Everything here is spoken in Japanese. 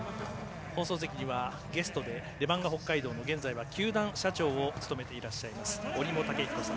放送席にはゲストでレバンガ北海道の現在は球団社長を務めてらっしゃいます折茂武彦さん。